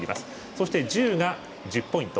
そして、１０が１０ポイント。